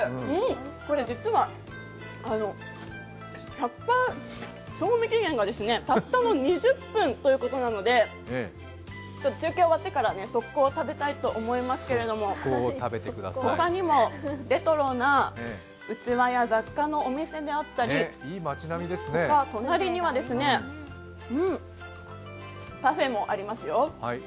これ実は賞味期限がたったの２０分ということで中継終わってから即行食べたいと思いますが、他にもレトロな器や雑貨のお店であったり、隣にはカフェもありますよ。